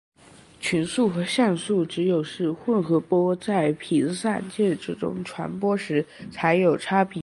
群速和相速只有是混合波在频散介质中传播时才有差别。